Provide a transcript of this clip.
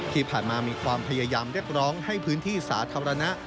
ที่ผ่านมามีความพยายามเรียกร้องให้พื้นที่สาธารณะ